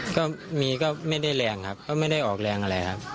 ก็มีก็ไม่ได้แรงครับก็ไม่ได้ออกแรงอะไรครับ